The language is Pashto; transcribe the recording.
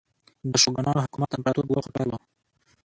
د شوګانانو حکومت امپراتور ګوښه کړی و.